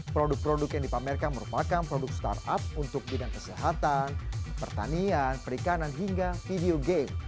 produk produk yang dipamerkan merupakan produk startup untuk bidang kesehatan pertanian perikanan hingga video game